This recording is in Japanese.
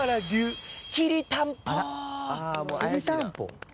「あら？きりたんぽ？」